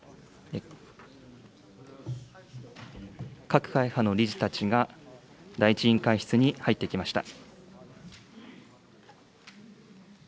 各会派の理事たちが、第１委員会室に入ってきました。